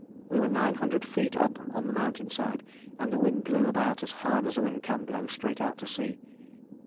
We were 900 feet up on the mountain side, and the wind blew about as hard as a wind can blow straight out to sea.